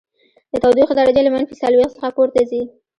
د تودوخې درجه له منفي څلوېښت څخه پورته ځي